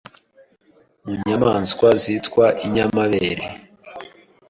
mu nyamaswa zitwa inyamabere